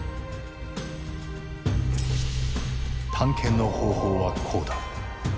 探検の方法はこうだ。